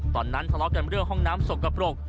ตอนนั้นทะเลาะกันเรื่องห้องน้ำสกปรก